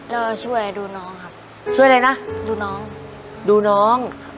แล้วช่วยดูน้องครับช่วยอะไรนะดูน้องดูน้อง